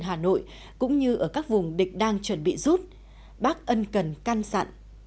hà nội cũng như ở các vùng địch đang chuẩn bị rút bác ân cần can sẵn